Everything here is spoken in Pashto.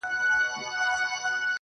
شپې په برخه سوې د غلو او د بمانو؛